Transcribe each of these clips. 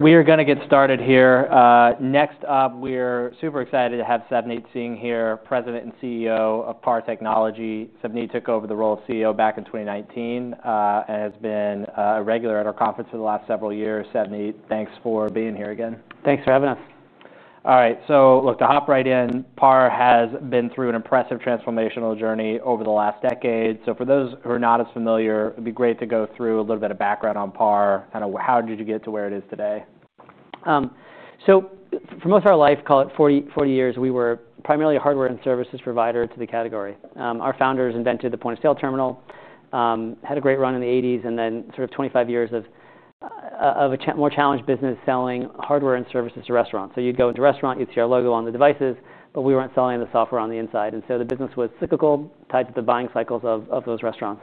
We are going to get started here. Next up, we're super excited to have Savneet Singh here, President and CEO of PAR Technology. Savneet took over the role of CEO back in 2019 and has been a regular at our conference for the last several years. Savneet, thanks for being here again. Thanks for having us. All right. To hop right in, PAR has been through an impressive transformational journey over the last decade. For those who are not as familiar, it'd be great to go through a little bit of background on PAR, kind of how did you get to where it is today? For most of our life, call it 40, 40 years, we were primarily a hardware and services provider to the category. Our founders invented the point-of-sale terminal, had a great run in the 1980s, and then sort of 25 years of a more challenged business selling hardware and services to restaurants. You'd go into a restaurant, you'd see our logo on the devices, but we weren't selling the software on the inside. The business was cyclical, tied to the buying cycles of those restaurants.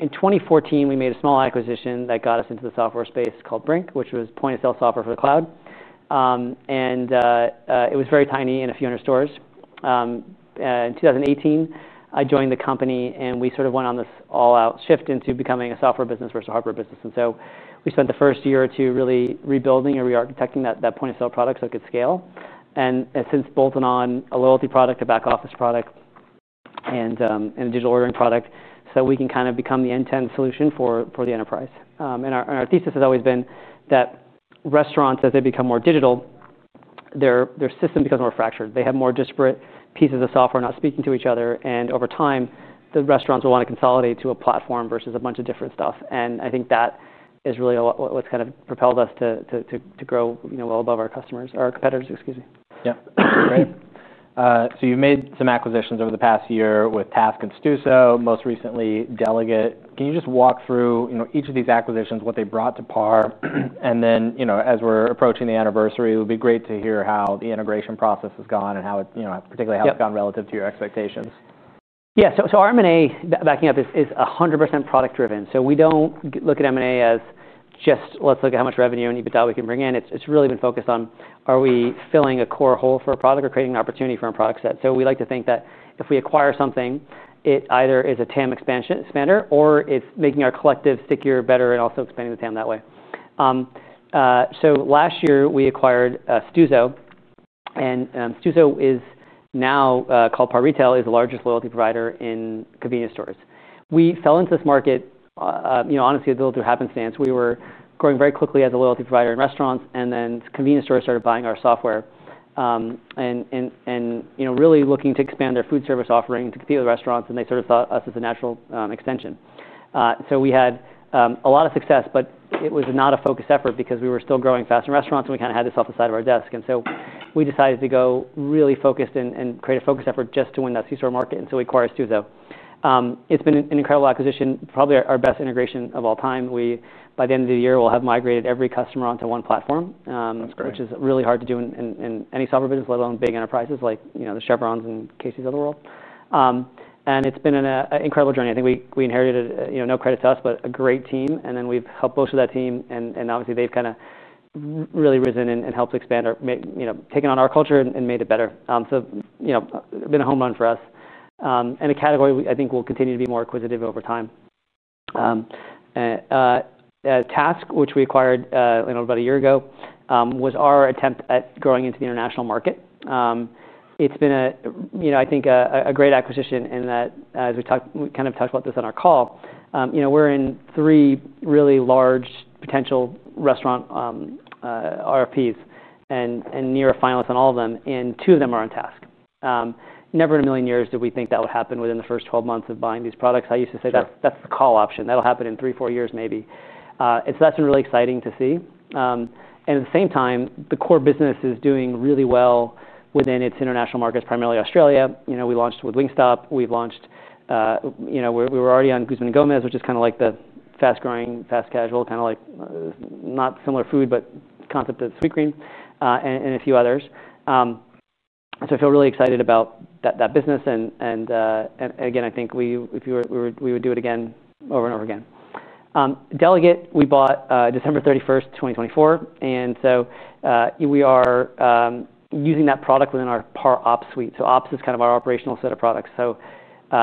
In 2014, we made a small acquisition that got us into the software space called Brink, which was point-of-sale software for the cloud. It was very tiny in a few hundred stores. In 2018, I joined the company and we sort of went on this all-out shift into becoming a software business versus a hardware business. We spent the first year or two really rebuilding and re-architecting that point-of-sale product so it could scale. It's since bolted on a loyalty product, a back-office product, and a digital ordering product, so we can kind of become the end-to-end solution for the enterprise. Our thesis has always been that restaurants, as they become more digital, their system becomes more fractured. They have more disparate pieces of software not speaking to each other. Over time, the restaurants will want to consolidate to a platform versus a bunch of different stuff. I think that is really what's kind of propelled us to grow well above our competitors, excuse me. Great. You've made some acquisitions over the past year with TASK and Stuzo, most recently Delaget. Can you just walk through each of these acquisitions, what they brought to PAR? As we're approaching the anniversary, it would be great to hear how the integration process has gone and how it particularly has gone relative to your expectations. Yeah, our M&A, backing up, is 100% product-driven. We don't look at M&A as just let's look at how much revenue and EBITDA we can bring in. It's really been focused on, are we filling a core hole for a product or creating an opportunity for our product set? We like to think that if we acquire something, it either is a TAM expander, or it's making our collective secure better and also expanding the TAM that way. Last year we acquired Stuzo, and Stuzo is now called PAR Retail. It is the largest loyalty provider in convenience stores. We fell into this market, honestly, a little through happenstance. We were growing very quickly as a loyalty provider in restaurants, and then convenience stores started buying our software and really looking to expand their food service offering to the other restaurants, and they sort of thought of us as a natural extension. We had a lot of success, but it was not a focused effort because we were still growing fast in restaurants, and we kind of had this off the side of our desk. We decided to go really focused and create a focused effort just to win that C-store market, and we acquired Stuzo. It's been an incredible acquisition, probably our best integration of all time. By the end of the year, we'll have migrated every customer onto one platform, which is really hard to do in any software business, let alone big enterprises like the Chevrons and Caseys of the world. It's been an incredible journey. I think we inherited, no credit to us, but a great team, and then we've helped bolster that team, and obviously they've really risen and helped expand our, taken on our culture and made it better. It's been a home run for us and a category I think will continue to be more acquisitive over time. TASK, which we acquired about a year ago, was our attempt at growing into the international market. It's been, I think, a great acquisition in that, as we talked, we kind of talked about this on our call, we're in three really large potential restaurant RFPs, and near a finalist on all of them, and two of them are on TASK. Never in a million years did we think that would happen within the first 12 months of buying these products. I used to say that that's the call option. That'll happen in three, four years, maybe. That's been really exciting to see. At the same time, the core business is doing really well within its international markets, primarily Australia. We launched with Wingstop. We were already on Guzman y Gomez, which is kind of like the fast-growing, fast-casual, kind of like, not similar food, but concept of sweetgreen, and a few others. I feel really excited about that business. I think we would do it again over and over again. Delaget we bought December 31st, 2024, and we are using that product within our PAR OPS Suite. OPS is kind of our operational set of products. I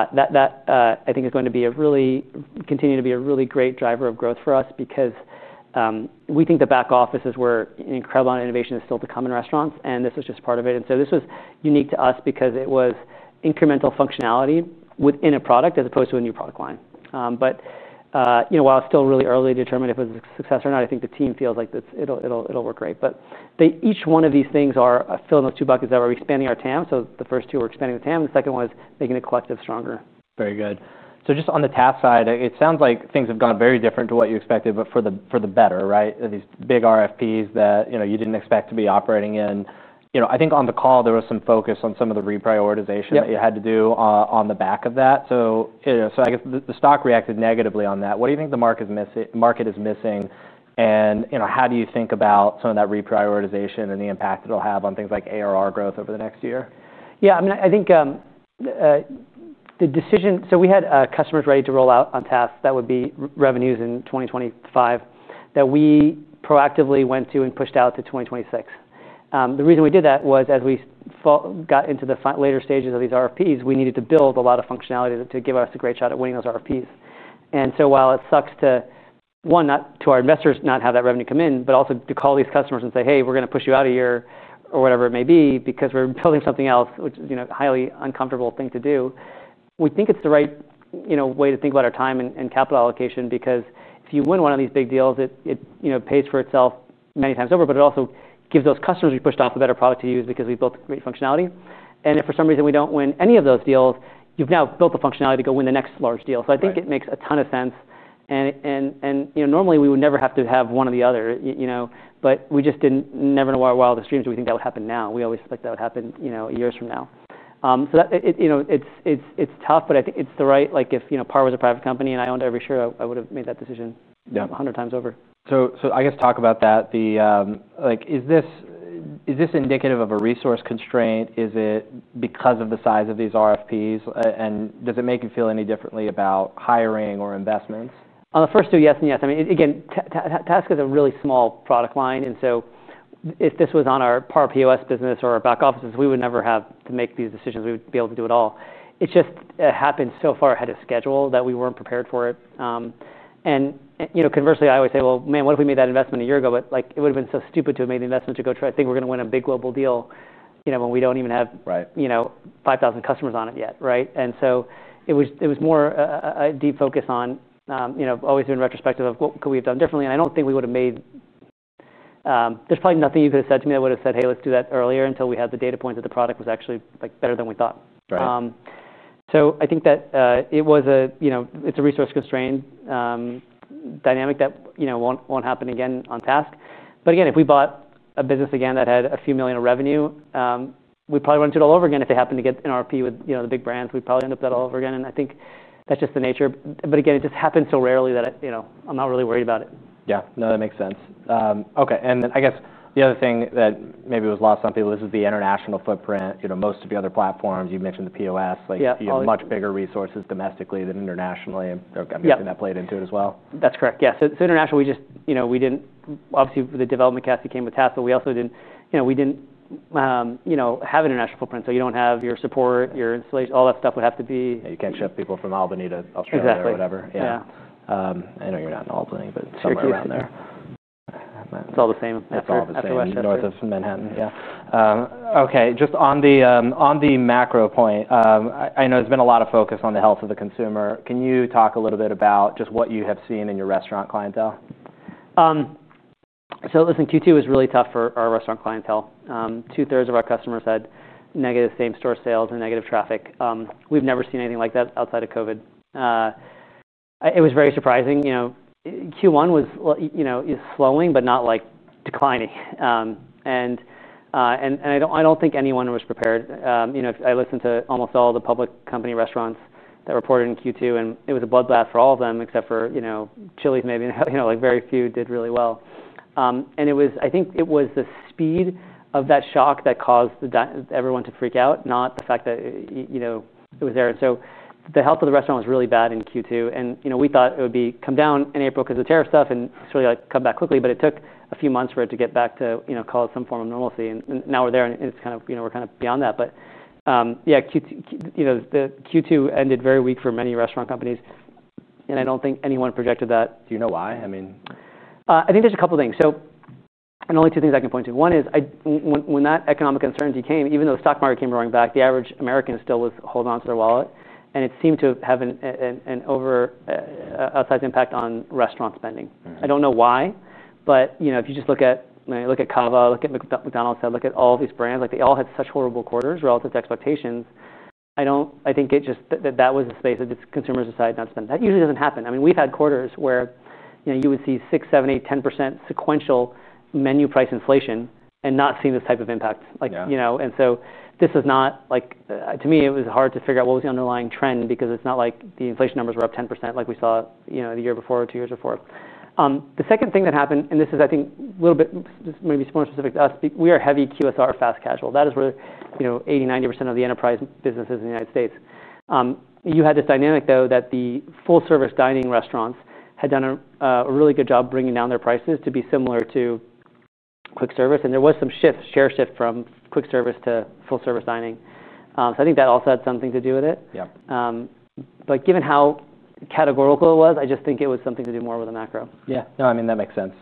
think that is going to continue to be a really great driver of growth for us because we think the back office is where an incredible amount of innovation is still to come in restaurants, and this was just part of it. This was unique to us because it was incremental functionality within a product as opposed to a new product line. While it's still really early to determine if it was a success or not, I think the team feels like it'll work great. Each one of these things is filling those two buckets that we're expanding our total addressable market. The first two are expanding the total addressable market, and the second one is making the collective stronger. Very good. Just on the TASK side, it sounds like things have gone very different to what you expected, but for the better, right? These big RFPs that you didn't expect to be operating in. I think on the call there was some focus on some of the reprioritization that you had to do on the back of that. I guess the stock reacted negatively on that. What do you think the market is missing? How do you think about some of that reprioritization and the impact it'll have on things like ARR growth over the next year? Yeah, I mean, I think the decision, so we had customers ready to roll out on TASK that would be revenues in 2025 that we proactively went to and pushed out to 2026. The reason we did that was as we got into the later stages of these RFPs, we needed to build a lot of functionality to give us a great shot at winning those RFPs. While it sucks to, one, not to our investors not have that revenue come in, but also to call these customers and say, "Hey, we're going to push you out a year," or whatever it may be, because we're building something else, which is a highly uncomfortable thing to do. We think it's the right way to think about our time and capital allocation because if you win one of these big deals, it pays for itself many times over, but it also gives those customers we pushed off a better product to use because we built great functionality. If for some reason we don't win any of those deals, you've now built the functionality to go win the next large deal. I think it makes a ton of sense. Normally we would never have to have one or the other, but we just didn't ever know why while the streams do we think that would happen now. We always expect that would happen years from now. It's tough, but I think it's the right, like if PAR was a private company and I owned every share, I would have made that decision a hundred times over. I guess talk about that. Is this indicative of a resource constraint? Is it because of the size of these RFPs? Does it make you feel any differently about hiring or investments? On the first two, yes and yes. I mean, again, Task is a really small product line. If this was on our PAR POS business or our back offices, we would never have to make these decisions. We'd be able to do it all. It just happened so far ahead of schedule that we weren't prepared for it. Conversely, I always say, what if we made that investment a year ago, but it would have been so stupid to have made the investment to go through. I think we're going to win a big global deal when we don't even have 5,000 customers on it yet, right? It was more a deep focus on always in retrospective of what could we have done differently. I don't think we would have made, there's probably nothing you could have said to me that would have said, "Hey, let's do that earlier until we have the data points that the product was actually better than we thought." I think that it was a resource constrained dynamic that won't happen again on TASK. If we bought a business again that had a few million in revenue, we'd probably run into it all over again if it happened to get an RFP with the big brands. We'd probably end up that all over again. I think that's just the nature. It just happened so rarely that I'm not really worried about it. Yeah, no, that makes sense. Okay. I guess the other thing that maybe was lost on people is the international footprint. You know, most of your other platforms, you mentioned the POS, like you have much bigger resources domestically than internationally. I'm guessing that played into it as well. That's correct. Yeah. International, we just, you know, we didn't, obviously the development cost that came with TASK, but we also didn't, you know, we didn't have international footprint. You don't have your support, your installation, all that stuff would have to be. You can't ship people from Albany to Australia or whatever. Yeah. I know you're not in Albany, but somewhere around there. It's all the same. That's all the same as north of Manhattan. Okay. Just on the macro point, I know there's been a lot of focus on the health of the consumer. Can you talk a little bit about just what you have seen in your restaurant clientele? Listen, Q2 was really tough for our restaurant clientele. 2/3 of our customers had negative same-store sales and negative traffic. We've never seen anything like that outside of COVID. It was very surprising. Q1 was slowing, but not like declining. I don't think anyone was prepared. I listened to almost all the public company restaurants that reported in Q2, and it was a bloodbath for all of them, except for, you know, Chili's maybe. Very few did really well. I think it was the speed of that shock that caused everyone to freak out, not the fact that it was there. The health of the restaurant was really bad in Q2. We thought it would come down in April because of the tariff stuff and really come back quickly, but it took a few months for it to get back to, you know, call it some form of normalcy. Now we're there and it's kind of, you know, we're kind of beyond that. Q2 ended very weak for many restaurant companies. I don't think anyone projected that. Do you know why? I mean, I think there's a couple of things. Only two things I can point to. One is when that economic uncertainty came, even though the stock market came roaring back, the average American still was holding onto their wallet. It seemed to have an outsized impact on restaurant spending. I don't know why, but if you just look at, you know, look at Kava, look at McDonald's, look at all these brands, they all had such horrible quarters relative to expectations. I don't, I think it just, that was the space that consumers decided not to spend. That usually doesn't happen. I mean, we've had quarters where you would see 6%, 7%, 8%, 10% sequential menu price inflation and not seeing this type of impact. This is not like, to me, it was hard to figure out what was the underlying trend because it's not like the inflation numbers were up 10% like we saw the year before or two years before. The second thing that happened, and this is, I think, a little bit just maybe more specific to us, we are heavy QSR, fast casual. That is where 80%, 90% of the enterprise business is in the United States. You had this dynamic though that the full-service dining restaurants had done a really good job bringing down their prices to be similar to quick service. There was some shift, share shift from quick service to full-service dining. I think that also had something to do with it. Yeah. Given how categorical it was, I just think it was something to do more with the macro. Yeah, no, I mean, that makes sense.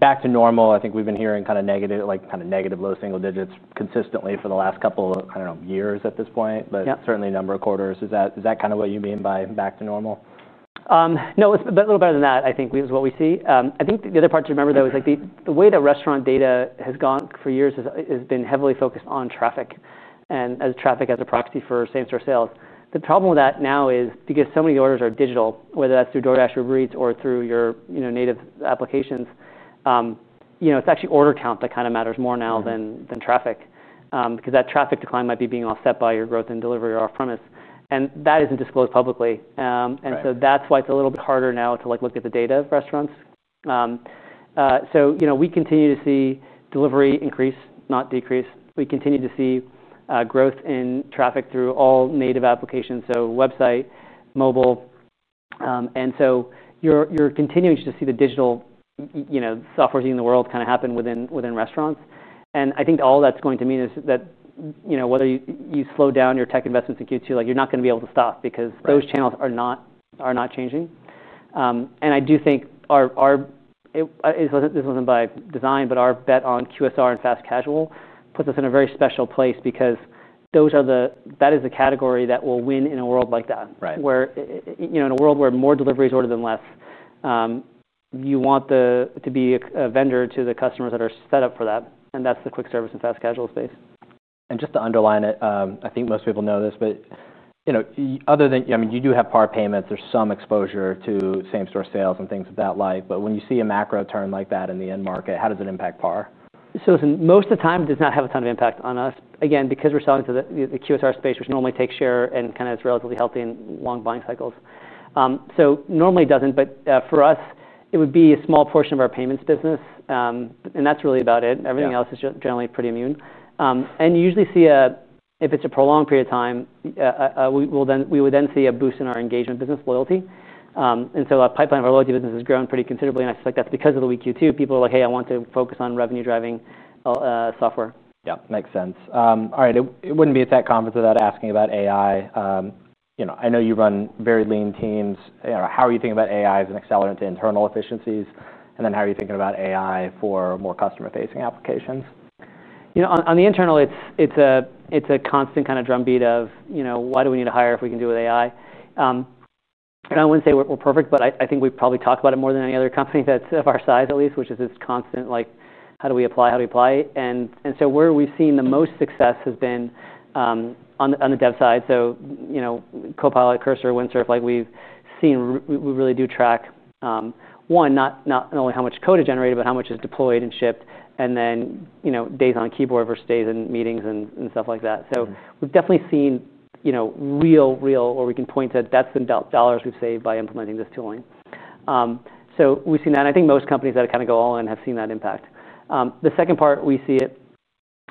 Back to normal, I think we've been hearing kind of negative, like kind of negative low single digits consistently for the last couple, I don't know, years at this point, but certainly a number of quarters. Is that, is that kind of what you mean by back to normal? No, it's a little better than that. I think it was what we see. I think the other part to remember, though, is the way the restaurant data has gone for years has been heavily focused on traffic, and traffic as a proxy for same-store sales. The problem with that now is because so many orders are digital, whether that's through DoorDash or Uber Eats or through your native applications, it's actually order count that kind of matters more now than traffic. That traffic decline might be being offset by your growth in delivery or off-premise, and that isn't disclosed publicly. That's why it's a little bit harder now to look at the data of restaurants. We continue to see delivery increase, not decrease. We continue to see growth in traffic through all native applications, so website, mobile, and you're continuing to just see the digital, you know, software's eating the world kind of happen within restaurants. I think all that's going to mean is that whether you slow down your tech investments in Q2, you're not going to be able to stop because those channels are not changing. I do think our, it wasn't, this wasn't by design, but our bet on QSR and fast casual puts us in a very special place because that is the category that will win in a world like that, where in a world where more delivery is ordered than less, you want to be a vendor to the customers that are set up for that. That's the quick service and fast casual space. Just to underline it, I think most people know this, but you know, other than, I mean, you do have PAR payments, there's some exposure to same-store sales and things of that like, but when you see a macro turn like that in the end market, how does it impact PAR? Most of the time it does not have a ton of impact on us. Again, because we're selling to the QSR space, which normally takes share and is relatively healthy in long buying cycles, it doesn't. For us, it would be a small portion of our payments business, and that's really about it. Everything else is generally pretty immune. You usually see, if it's a prolonged period of time, we would then see a boost in our engagement business loyalty. Our pipeline of our loyalty business has grown pretty considerably. I feel like that's because of the weak Q2. People are like, "Hey, I want to focus on revenue-driving software. Yeah, makes sense. All right. It wouldn't be at that conference without asking about AI. You know, I know you run very lean teams. You know, how are you thinking about AI as an accelerant to internal efficiencies? How are you thinking about AI for more customer-facing applications? You know, on the internal, it's a constant kind of drumbeat of, you know, why do we need a hire if we can do with AI? I wouldn't say we're perfect, but I think we probably talk about it more than any other company that's of our size, at least, which is this constant, like, how do we apply? How do we apply? Where we've seen the most success has been on the dev side. Copilot, Cursor, Windsurf, like we've seen, we really do track, one, not only how much code is generated, but how much is deployed and shipped, and then, you know, days on keyboard versus days in meetings and stuff like that. We've definitely seen, you know, real, real, or we can point to that's the dollars we've saved by implementing this tooling. We've seen that. I think most companies that kind of go all in have seen that impact. The second part we see it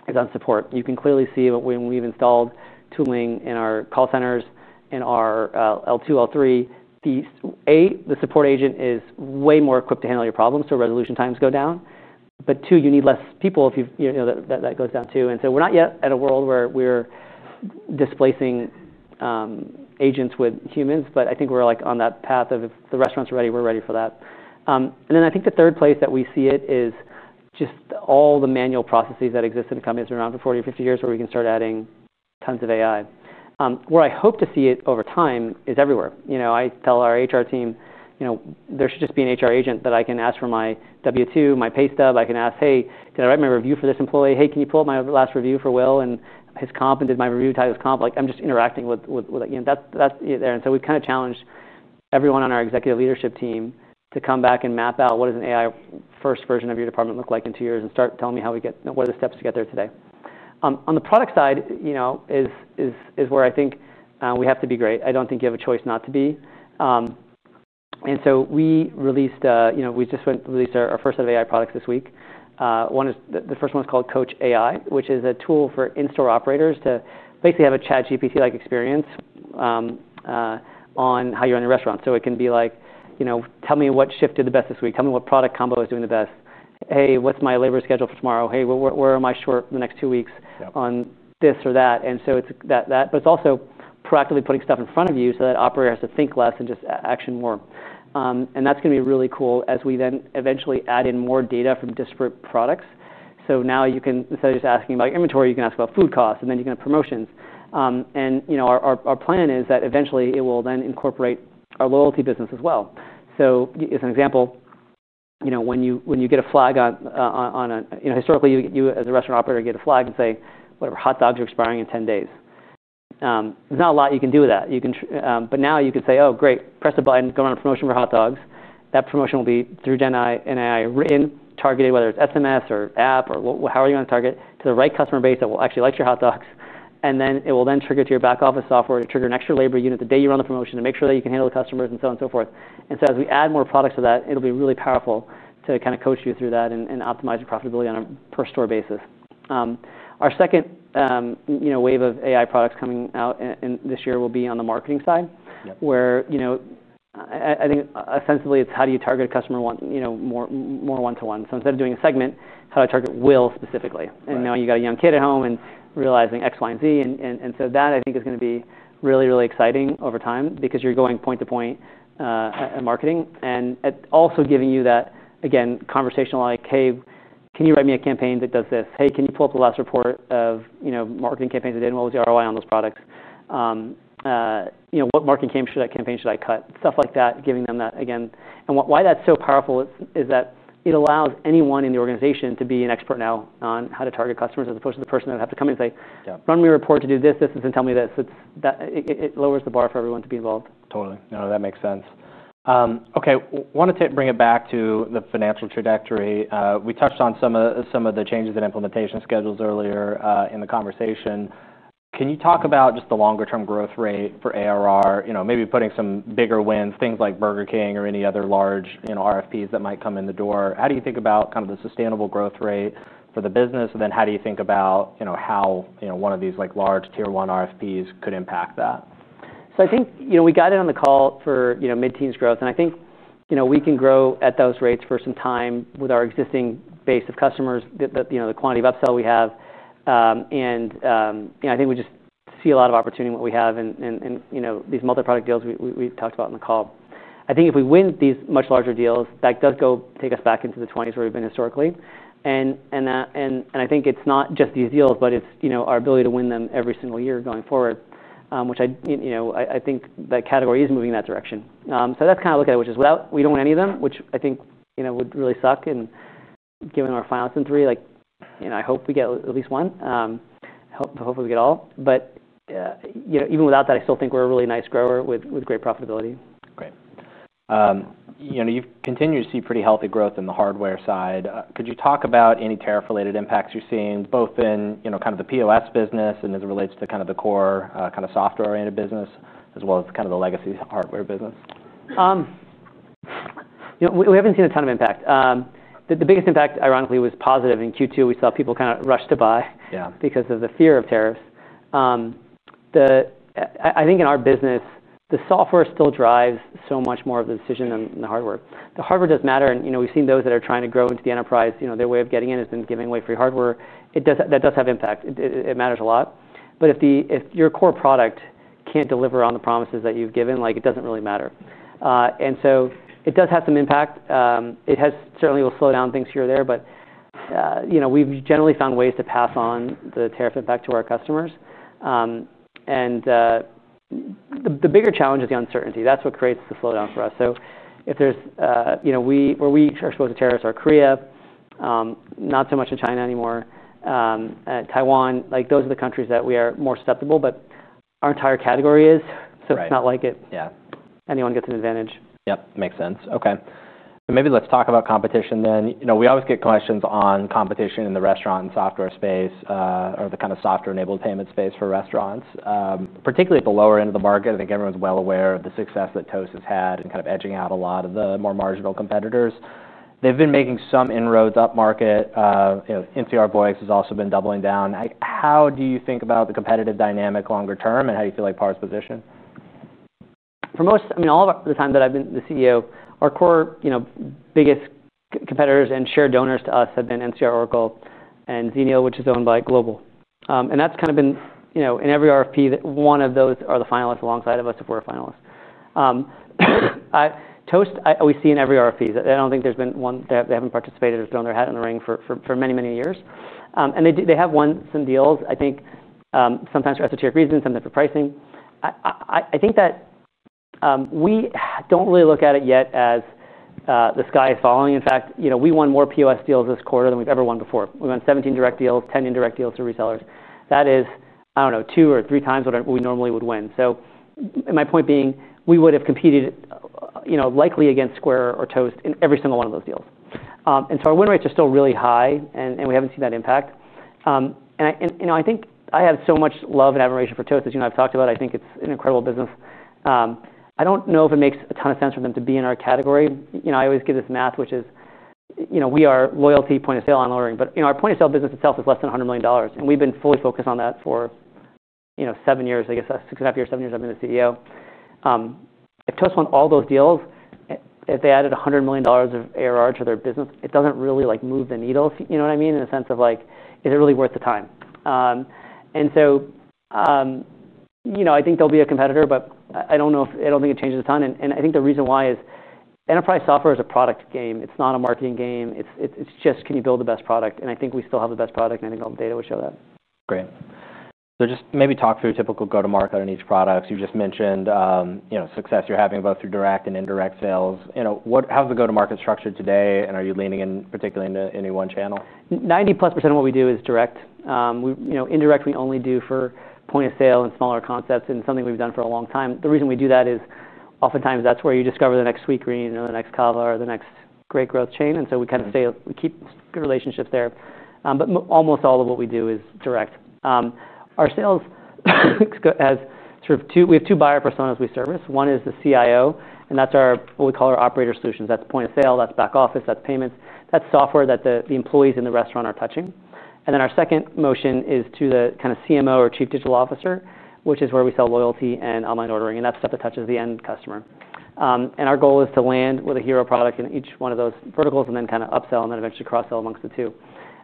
is on support. You can clearly see when we've installed tooling in our call centers, in our L2, L3, the support agent is way more equipped to handle your problems, so resolution times go down. You need less people if you, you know, that goes down too. We're not yet at a world where we're displacing agents with humans, but I think we're like on that path of if the restaurants are ready, we're ready for that. I think the third place that we see it is just all the manual processes that exist in the company that's been around for 40 or 50 years where we can start adding tons of AI. Where I hope to see it over time is everywhere. I tell our HR team, you know, there should just be an HR agent that I can ask for my [Form W-2], my pay stub. I can ask, "Hey, did I write my review for this employee? Hey, can you pull up my last review for Will and his comp? And did my review tie to his comp?" Like, I'm just interacting with that, you know, that's that there. We've kind of challenged everyone on our executive leadership team to come back and map out what does an AI-first version of your department look like in two years and start telling me how we get, what are the steps to get there today. On the product side is where I think we have to be great. I don't think you have a choice not to be. We released, you know, we just went and released our first set of AI products this week. One is the first one is called Coach AI, which is a tool for in-store operators to basically have a ChatGPT-like experience on how you're in the restaurant. It can be like, you know, tell me what shift did the best this week. Tell me what product combo is doing the best. Hey, what's my labor schedule for tomorrow? Hey, where am I short in the next two weeks on this or that? It's that, but it's also proactively putting stuff in front of you so that operators have to think less and just action more. That's going to be really cool as we then eventually add in more data from disparate products. Now you can, instead of just asking about inventory, you can ask about food costs, and then you can have promotions. Our plan is that eventually it will then incorporate our loyalty business as well. As an example, when you get a flag, historically, you as a restaurant operator get a flag and say, whatever, hot dogs are expiring in 10 days. There's not a lot you can do with that. You can, but now you could say, oh, great, press the button, go on a promotion for hot dogs. That promotion will be through GenAI written targeted, whether it's SMS or app or however you want to target to the right customer base that will actually like your hot dogs. It will then trigger to your back office software to trigger an extra labor unit the day you run the promotion to make sure that you can handle the customers and so on and so forth. As we add more products to that, it'll be really powerful to kind of coach you through that and optimize your profitability on a per-store basis. Our second wave of AI products coming out this year will be on the marketing side, where, you know, I think ostensibly it's how do you target a customer more one-to-one. Instead of doing a segment, how do I target Will specifically? Now you've got a young kid at home and realizing X, Y, and Z. That I think is going to be really, really exciting over time because you're going point to point at marketing and at also giving you that, again, conversational, like, hey, can you write me a campaign that does this? Hey, can you pull up the last report of marketing campaigns they did and what was the ROI on those products? You know, what marketing campaign should I cut? Stuff like that, giving them that again. That is so powerful because it allows anyone in the organization to be an expert now on how to target customers, as opposed to the person that would have to come in and say, run me a report to do this, this, and tell me this. It lowers the bar for everyone to be involved. Totally. No, that makes sense. Okay. Wanted to bring it back to the financial trajectory. We touched on some of the changes in implementation schedules earlier in the conversation. Can you talk about just the longer-term growth rate for ARR, you know, maybe putting some bigger wins, things like Burger King or any other large, you know, RFPs that might come in the door? How do you think about kind of the sustainable growth rate for the business? How do you think about, you know, how, you know, one of these like large tier one RFPs could impact that? I think we got in on the call for mid-teens growth. I think we can grow at those rates for some time with our existing base of customers, the quantity of upsell we have. I think we just see a lot of opportunity in what we have, and these multi-product deals we talked about in the call. I think if we win these much larger deals, that does go take us back into the 20s where we've been historically. That, and I think it's not just these deals, but it's our ability to win them every single year going forward, which I think the category is moving in that direction. That's kind of looking at it, which is without we don't win any of them, which I think would really suck. Given our finals in three, I hope we get at least one. Hopefully we get all. Even without that, I still think we're a really nice grower with great profitability. Great. You know, you've continued to see pretty healthy growth in the hardware side. Could you talk about any tariff-related impacts you're seeing both in, you know, kind of the POS business and as it relates to the core, kind of software-oriented business as well as the legacy hardware business? We haven't seen a ton of impact. The biggest impact, ironically, was positive in Q2. We saw people kind of rush to buy because of the fear of tariffs. I think in our business, the software still drives so much more of the decision than the hardware. The hardware does matter. We've seen those that are trying to grow into the enterprise, their way of getting in has been giving away free hardware. That does have impact. It matters a lot. If your core product can't deliver on the promises that you've given, it doesn't really matter. It does have some impact. It certainly will slow down things here or there, but we've generally found ways to pass on the tariff impact to our customers. The bigger challenge is the uncertainty. That's what creates the slowdown for us. Where we are supposed to tariffs are Korea, not so much in China anymore. Taiwan, those are the countries that we are more susceptible, but our entire category is, so it's not like anyone gets an advantage. Yep, makes sense. Okay. Maybe let's talk about competition then. You know, we always get questions on competition in the restaurant and software space, or the kind of software-enabled payment space for restaurants, particularly at the lower end of the market. I think everyone's well aware of the success that Toast has had and kind of edging out a lot of the more marginal competitors. They've been making some inroads up market. You know, NCR has also been doubling down. How do you think about the competitive dynamic longer term and how do you feel like PAR's position? For most, I mean, all of the time that I've been the CEO, our core, you know, biggest competitors and shared donors to us have been NCR, Oracle, and Zennio, which is owned by Global. That's kind of been, you know, in every RFP that one of those are the finalists alongside of us if we're a finalist. Toast, I always see in every RFP. I don't think there's been one that they haven't participated or thrown their hat in the ring for, for many, many years. They do, they have won some deals, I think, sometimes for esoteric reasons, sometimes for pricing. I think that we don't really look at it yet as the sky is falling. In fact, we won more POS deals this quarter than we've ever won before. We won 17 direct deals, 10 indirect deals to resellers. That is, I don't know, two or three times what we normally would win. My point being, we would have competed, you know, likely against Square or Toast in every single one of those deals. Our win rates are still really high and we haven't seen that impact. I think I had so much love and admiration for Toast, as you and I have talked about. I think it's an incredible business. I don't know if it makes a ton of sense for them to be in our category. I always give this math, which is, you know, we are loyalty, point of sale, and ordering, but, you know, our point of sale business itself is less than $100 million. We've been fully focused on that for, you know, seven years, I guess, six and a half years, seven years I've been the CEO. If Toast won all those deals, if they added $100 million of ARR to their business, it doesn't really move the needle, you know what I mean? In the sense of, is it really worth the time? I think they'll be a competitor, but I don't know if, I don't think it changes a ton. I think the reason why is enterprise software is a product game. It's not a marketing game. It's just, can you build the best product? I think we still have the best product. I think all the data would show that. Great. Just maybe talk through a typical go-to-market on each product. You just mentioned, you know, success you're having both through direct and indirect sales. What, how's the go-to-market structured today? Are you leaning in particularly into any one channel? 90% plus of what we do is direct. We, you know, indirect we only do for point of sale and smaller concepts, and something we've done for a long time. The reason we do that is oftentimes that's where you discover the next sweetgreen or the next Cobbler or the next great growth chain, and so we kind of stay, we keep good relationships there. Almost all of what we do is direct. Our sales has sort of two, we have two buyer personas we service. One is the CIO, and that's our, what we call our operator solutions. That's point of sale, that's back office, that's payments, that's software that the employees in the restaurant are touching. Our second motion is to the kind of CMO or Chief Digital Officer, which is where we sell loyalty and online ordering, and that's stuff that touches the end customer. Our goal is to land with a hero product in each one of those verticals and then kind of upsell and then eventually cross-sell amongst the two.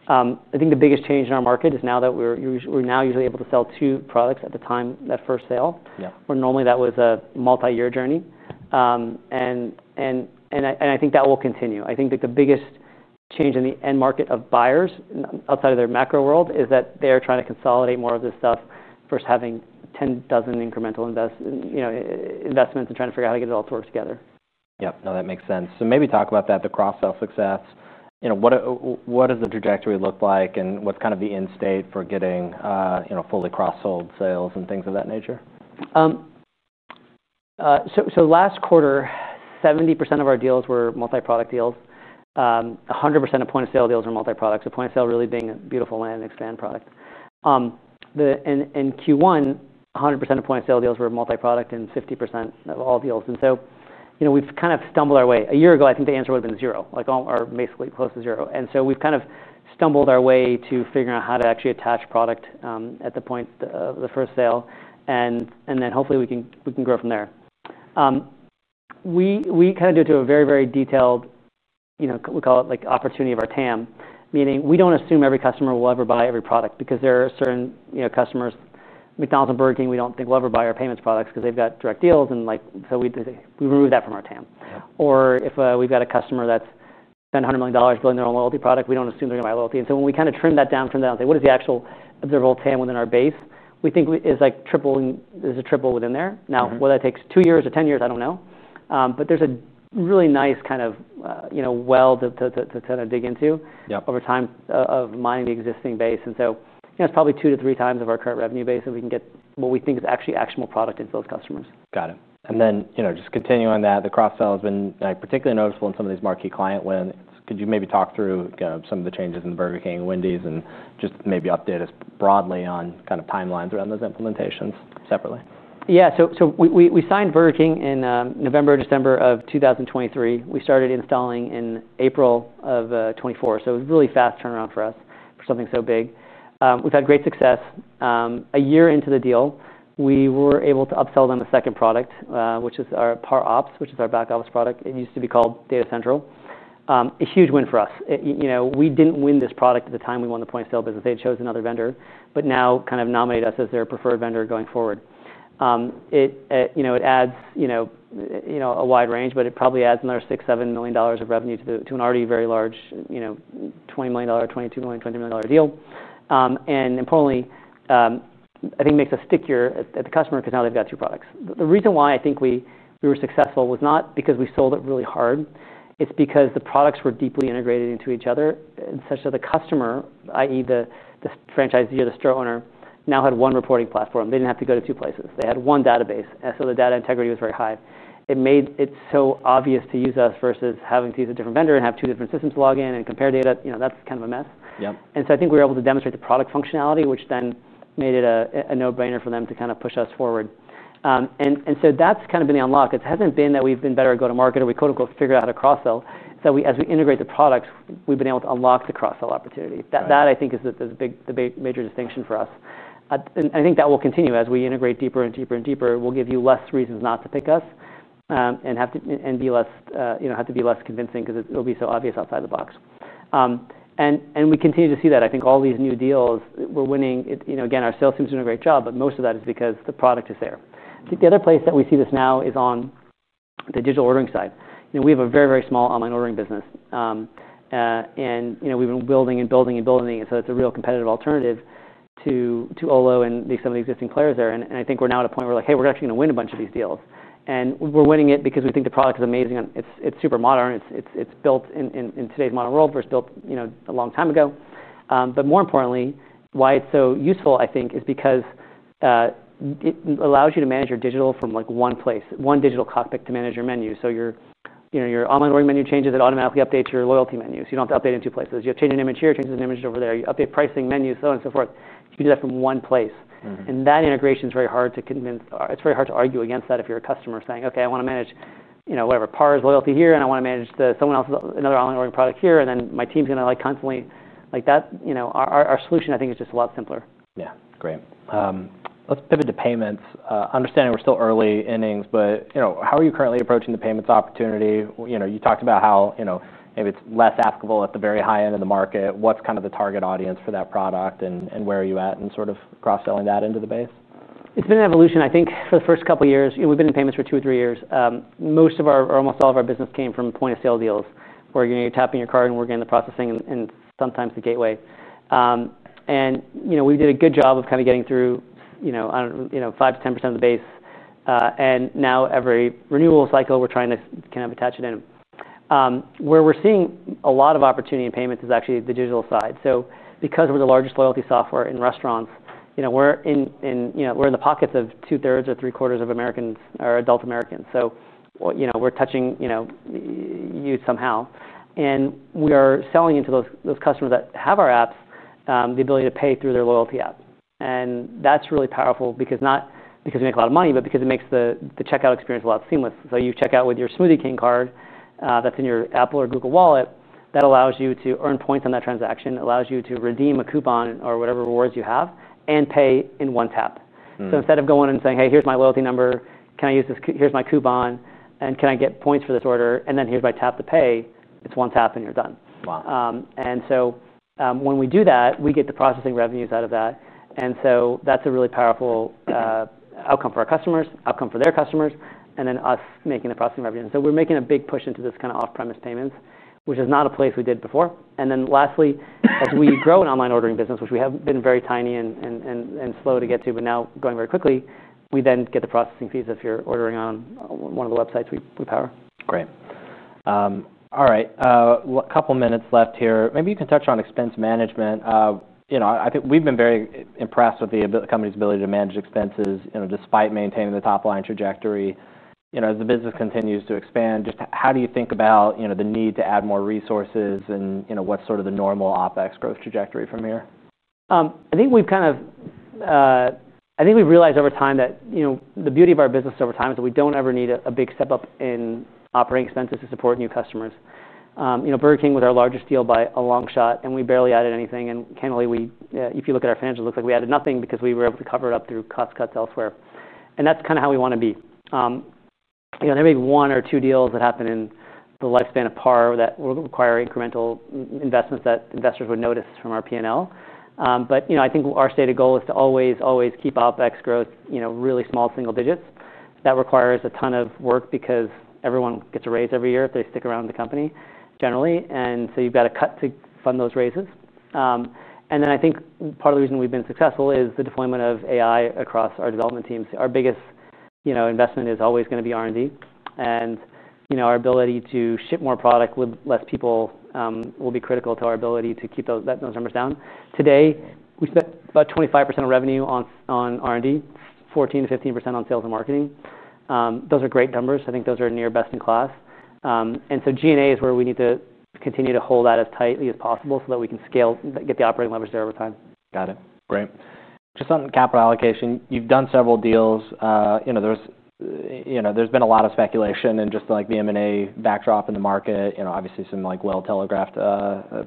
I think the biggest change in our market is now that we're, we're now usually able to sell two products at the time of that first sale, where normally that was a multi-year journey. I think that will continue. I think that the biggest change in the end market of buyers outside of their macro world is that they're trying to consolidate more of this stuff, first having 10 dozen incremental investments and trying to figure out how to get it all to work together. No, that makes sense. Maybe talk about that, the cross-sell success. You know, what does the trajectory look like and what's kind of the end state for getting, you know, fully cross-sold sales and things of that nature? Last quarter, 70% of our deals were multi-product deals. 100% of point of sale deals are multi-product, a point of sale really being a beautiful land and expand product. In Q1, 100% of point of sale deals were multi-product and 50% of all deals. We've kind of stumbled our way. A year ago, I think the answer would have been zero, like all, or basically close to zero. We've kind of stumbled our way to figuring out how to actually attach product at the point of the first sale, and then hopefully we can grow from there. We kind of do it to a very, very detailed, you know, we call it like opportunity of our TAM, meaning we don't assume every customer will ever buy every product because there are certain customers, McDonald's and Burger King, we don't think will ever buy our payments products because they've got direct deals. We remove that from our TAM. Or if we've got a customer that's spent $100 million building their own loyalty product, we don't assume they're going to buy loyalty. When we kind of trim that down and say, what is the actual observable TAM within our base, we think it's like triple, there's a triple within there. Now, whether that takes two years or 10 years, I don't know, but there's a really nice kind of, you know, well to kind of dig into over time of mining the existing base. It's probably 2x-3x of our current revenue base if we can get what we think is actually actionable product into those customers. Got it. You know, just continuing on that, the cross-sell has been particularly noticeable in some of these marquee client wins. Could you maybe talk through kind of some of the changes in the Burger King and Wendy’s and just maybe update us broadly on kind of timelines around those implementations separately? Yeah, we signed Burger King in November, December of 2023. We started installing in April of 2024. It was a really fast turnaround for us for something so big. We've had great success. A year into the deal, we were able to upsell them a second product, which is our PAR OPS, which is our back-office product. It used to be called Data Central. A huge win for us. You know, we didn't win this product at the time we won the point of sale business. They had chosen another vendor, but now kind of nominated us as their preferred vendor going forward. It adds a wide range, but it probably adds another $6 million, $7 million of revenue to an already very large, $20 million, $22 million, $22 million deal. Importantly, I think it makes us stickier at the customer because now they've got two products. The reason why I think we were successful was not because we sold it really hard. It's because the products were deeply integrated into each other such that the customer, i.e., the franchisee or the store owner, now had one reporting platform. They didn't have to go to two places. They had one database, and so the data integrity was very high. It made it so obvious to use us versus having to use a different vendor and have two different systems log in and compare data. You know, that's kind of a mess. Yep. I think we were able to demonstrate the product functionality, which then made it a no-brainer for them to push us forward. That's been the unlock. It hasn't been that we've been better at go-to-market or we "figured out" how to cross-sell. As we integrate the products, we've been able to unlock the cross-sell opportunity. That is the big, major distinction for us. I think that will continue as we integrate deeper and deeper. We'll give you fewer reasons not to pick us and have to be less convincing because it'll be so obvious outside the box. We continue to see that. I think all these new deals we're winning, our sales team's doing a great job, but most of that is because the product is there. I think the other place that we see this now is on the digital ordering side. We have a very, very small online ordering business, and we've been building and building. It's a real competitive alternative to Olo and some of the existing players there. I think we're now at a point where we're like, hey, we're actually going to win a bunch of these deals, and we're winning it because we think the product is amazing. It's super modern. It's built in today's modern world versus built a long time ago. More importantly, why it's so useful, I think, is because it allows you to manage your digital from one place, one digital cockpit to manage your menu. So your online ordering menu changes and automatically updates your loyalty menu, so you don't have to update in two places. You change an image here, change the image over there. You update pricing menus, so on and so forth. You can do that from one place. That integration is very hard to argue against if you're a customer saying, okay, I want to manage PAR's loyalty here, and I want to manage someone else's, another online ordering product here, and then my team's going to constantly like that. Our solution, I think, is just a lot simpler. Yeah, it's great. Let's pivot to payments. Understanding we're still early innings, but you know, how are you currently approaching the payments opportunity? You know, you talked about how, you know, maybe it's less applicable at the very high end of the market. What's kind of the target audience for that product, and where are you at in sort of cross-selling that into the base? It's been an evolution, I think, for the first couple of years. We've been in payments for 2-3 years. Most of our, or almost all of our business came from point of sale deals where you're tapping your card and we're getting the processing and sometimes the gateway. We did a good job of kind of getting through, I don't know, 5%-10% of the base. Now every renewal cycle, we're trying to kind of attach it in. Where we're seeing a lot of opportunity in payments is actually the digital side. Because we're the largest loyalty software in restaurants, we're in the pockets of 2/3 or 3/4 of Americans or adult Americans. We're touching you somehow. We are selling into those customers that have our apps, the ability to pay through their loyalty app. That's really powerful, not because we make a lot of money, but because it makes the checkout experience a lot seamless. You check out with your Smoothie King card that's in your Apple or Google wallet. That allows you to earn points on that transaction, allows you to redeem a coupon or whatever rewards you have and pay in one tap. Instead of going and saying, "Hey, here's my loyalty number. Can I use this? Here's my coupon and can I get points for this order?" and then here's my tap to pay, it's one tap and you're done. Wow. When we do that, we get the processing revenues out of that. That's a really powerful outcome for our customers, outcome for their customers, and then us making the processing revenue. We're making a big push into this kind of off-premise payments, which is not a place we did before. Lastly, as we grow an online ordering business, which we have been very tiny and slow to get to, but now going very quickly, we then get the processing fees if you're ordering on one of the websites we power. Great. All right. A couple of minutes left here. Maybe you can touch on expense management. I think we've been very impressed with the company's ability to manage expenses, despite maintaining the top line trajectory. As the business continues to expand, just how do you think about the need to add more resources and what's sort of the normal OpEx growth trajectory from here? I think we've realized over time that the beauty of our business is that we don't ever need a big step up in operating expenses to support new customers. You know, Burger King was our largest deal by a long shot and we barely added anything. Candidly, if you look at our financials, it looks like we added nothing because we were able to cover it up through cost cuts elsewhere. That's kind of how we want to be. There may be one or two deals that happen in the lifespan of PAR that require incremental investments that investors would notice from our P&L, but our stated goal is to always, always keep OpEx growth really small single digits. That requires a ton of work because everyone gets a raise every year if they stick around in the company generally, so you've got to cut to fund those raises. I think part of the reason we've been successful is the deployment of AI across our development teams. Our biggest investment is always going to be R&D, and our ability to ship more product with less people will be critical to our ability to keep those numbers down. Today, we spend about 25% of revenue on R&D, 14% -15% on sales and marketing. Those are great numbers. I think those are near best in class, and G&A is where we need to continue to hold that as tightly as possible so that we can scale and get the operating leverage there over time. Got it. Great. Just on capital allocation, you've done several deals. There's been a lot of speculation and just like the M&A backdrop in the market, obviously some well-telegraphed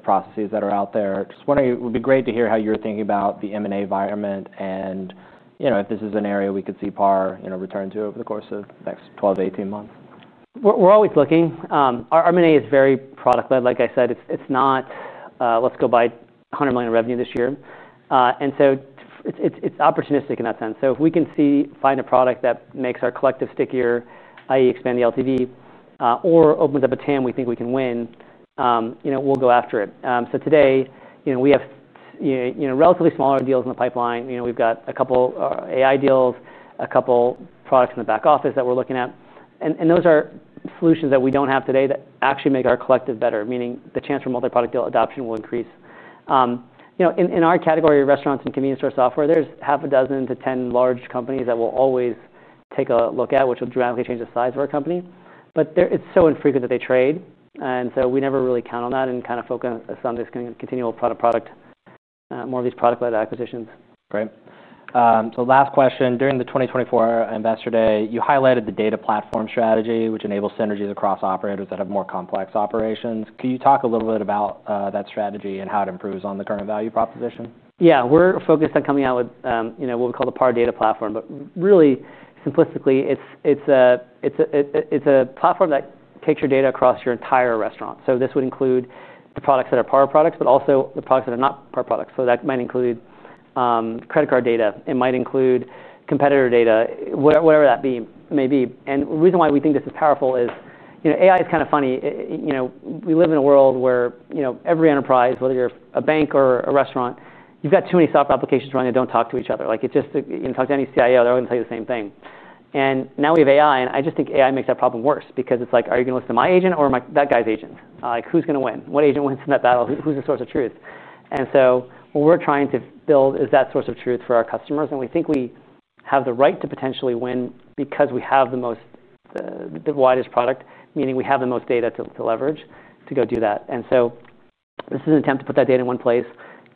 processes that are out there. Just wondering, it would be great to hear how you're thinking about the M&A environment and if this is an area we could see PAR return to over the course of the next 12-18 months. We're always looking. Our M&A is very product-led. Like I said, it's not, let's go buy $100 million in revenue this year, and so it's opportunistic in that sense. If we can see, find a product that makes our collective stickier, i.e., expand the LTV, or opens up a TAM we think we can win, you know, we'll go after it. Today, you know, we have relatively smaller deals in the pipeline. We've got a couple AI deals, a couple products in the back office that we're looking at. Those are solutions that we don't have today that actually make our collective better, meaning the chance for multi-product deal adoption will increase. In our category of restaurants and convenience store software, there's half a dozen to ten large companies that we'll always take a look at, which will dramatically change the size of our company. They're so infrequent that they trade, and so we never really count on that and kind of focus on this continuing to continue a product-led acquisitions. Great. Last question, during the 2024 Investor Day, you highlighted the data platform strategy, which enables synergies across operators that have more complex operations. Can you talk a little bit about that strategy and how it improves on the current value proposition? Yeah, we're focused on coming out with what we call the PAR data platform, but really simplistically, it's a platform that takes your data across your entire restaurant. This would include the products that are PAR products, but also the products that are not PAR products. That might include credit card data. It might include competitor data, whatever that may be. The reason why we think this is powerful is, you know, AI is kind of funny. We live in a world where every enterprise, whether you're a bank or a restaurant, you've got too many software applications running that don't talk to each other. Talk to any CIO, they're all going to tell you the same thing. Now we have AI, and I just think AI makes that problem worse because it's like, are you going to listen to my agent or that guy's agent? Who's going to win? What agent wins in that battle? Who's the source of truth? What we're trying to build is that source of truth for our customers. We think we have the right to potentially win because we have the widest product, meaning we have the most data to leverage to go do that. This is an attempt to put that data in one place,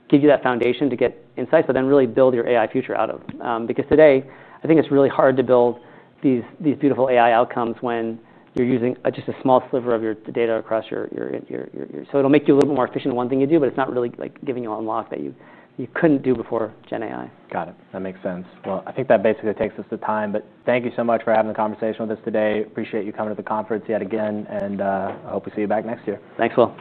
give you that foundation to get insights, but then really build your AI future out of. Because today, I think it's really hard to build these beautiful AI outcomes when you're using just a small sliver of your data across your business. It'll make you a little bit more efficient in one thing you do, but it's not really giving you an unlock that you couldn't do before GenAI. Got it. That makes sense. I think that basically takes us to time, but thank you so much for having the conversation with us today. Appreciate you coming to the conference yet again, and I hope we see you back next year. Thanks a lot.